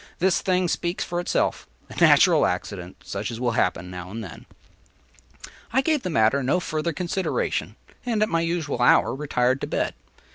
This thing speaks for itself. A natural accident, such as will happen now and then!” I gave the matter no further consideration, and at my usual hour retired to bed.